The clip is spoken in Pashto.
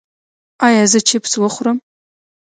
ایا زه چپس وخورم؟